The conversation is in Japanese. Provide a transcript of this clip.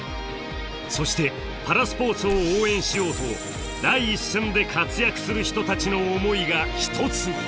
そしてパラスポーツを応援しようと第一線で活躍する人たちの思いが一つに。